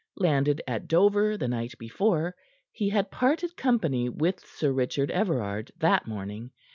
Landed at Dover the night before, he had parted company with Sir Richard Everard that morning.